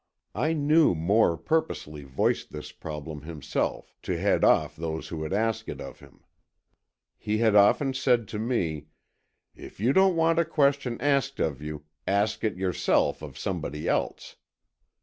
I knew Moore purposely voiced this problem himself, to head off those who would ask it of him. He had often said to me, "if you don't want a question asked of you, ask it yourself of somebody else."